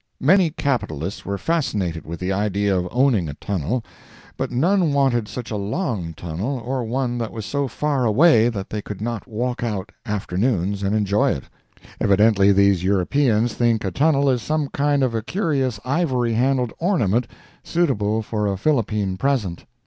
Many capitalists were fascinated with the idea of owning a tunnel, but none wanted such a long tunnel or one that was so far away that they could not walk out, afternoons, and enjoy it. Evidently these Europeans think a tunnel is some kind of a curious ivory handled ornament suitable for a philopene present.